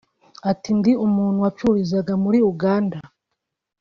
Ati “Ndi umuntu wacururizaga muri Uganda